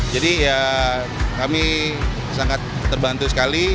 jadi ya kami sangat terbantu sekali